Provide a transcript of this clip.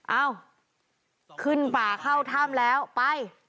เอ้าขึ้นป่าเข้าถ้ำแล้วไป